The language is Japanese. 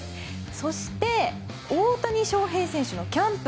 そして、大谷翔平選手のキャンプ。